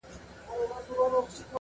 نن په څشي تودوې ساړه رګونه،